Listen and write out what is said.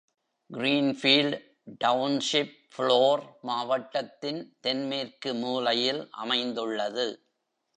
Greenfield township Blair மாவட்டத்தின் தென்மேற்கு மூலையில் அமைந்துள்ளது.